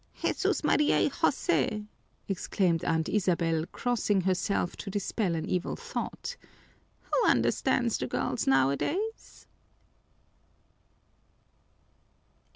"Jesús, María, y José!" exclaimed Aunt Isabel, crossing herself to dispel an evil thought, "who understands the girls nowadays?"